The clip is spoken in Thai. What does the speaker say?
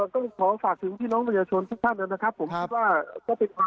ก็ขอจากถึงพี่น้องบัญญาชนศึกษาหนึ่งนะครับ